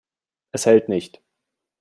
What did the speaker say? Es hält nicht.